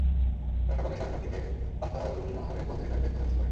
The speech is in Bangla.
তাঁরা সকাল সাড়ে নয়টার দিকে আলফারুন্নাহারের পদত্যাগের দাবিতে ক্যাম্পাসে মিছিল করেন।